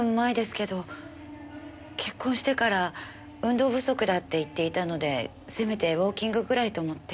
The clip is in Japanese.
結婚してから運動不足だって言っていたのでせめてウォーキングぐらいと思って。